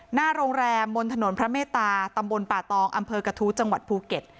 หน้าโรงแรมบนถนนพระเมตตาตำบลป่าตองอำเภอกระทู้จังหวัดภูเก็ต